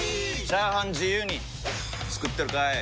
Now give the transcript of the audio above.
チャーハン自由に作ってるかい！？